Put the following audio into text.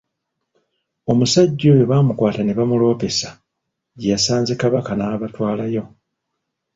Omusajja oyo baamukwata ne bamuloopesa gye yasanze Kabaka n'abatwalayo.